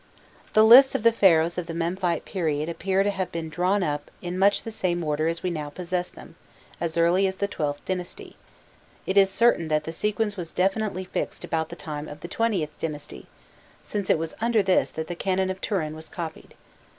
The lists of the Pharaohs of the Memphite period appear to have been drawn up in much the same order as we now possess them, as early as the XIIth dynasty: it is certain that the sequence was definitely fixed about the time of the XXth dynasty, since it was under this that the Canon of Turin was copied.